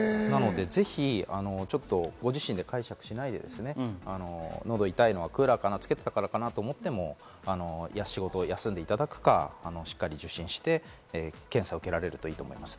なのでぜひ、ご自身で解釈しないで喉痛いのはクーラーかなと思っても仕事休んでいただくか、しっかり受診して検査を受けられるといいと思います。